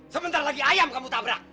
sebentar lagi ayam kamu tabrak